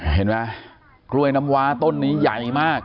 เห็นไหมกล้วยน้ำวาต้นนี้ใหญ่มาก